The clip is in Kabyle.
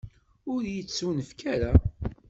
Ur yi-tettunefk ara.